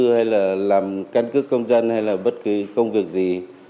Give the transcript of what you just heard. hay là làm căn cứ công dân hay là bất cứ công việc gì